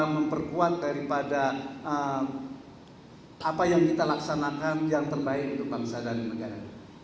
memperkuat daripada apa yang kita laksanakan yang terbaik untuk bangsa dan negara